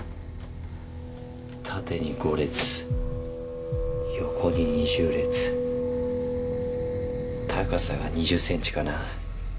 縦に５列横に２０列高さが２０ｃｍかな？